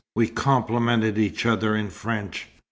We complimented each other in French.